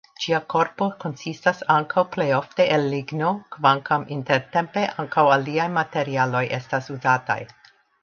Ĝia korpo konsistas ankaŭ plejofte el ligno, kvankam intertempe ankaŭ aliaj materialoj estas uzataj.